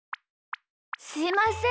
すいません。